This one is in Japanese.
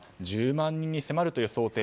１０万人に迫るという想定